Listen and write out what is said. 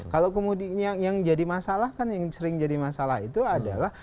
kalau kemudian yang jadi masalah kan yang sering jadi masalah itu adalah